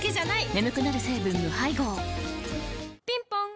眠くなる成分無配合ぴんぽん